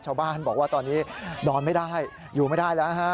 ชาวบ้านบอกว่าตอนนี้นอนไม่ได้อยู่ไม่ได้แล้วฮะ